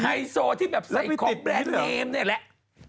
ไฮโซที่แบบใส่ของแบรนด์เนมนี่แหละ